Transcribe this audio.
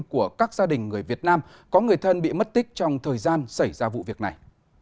của các gia đình người việt nam có người thân bị mất tích trong thời gian xảy ra vụ việc này